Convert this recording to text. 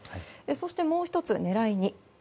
そして、もう１つ、狙い２。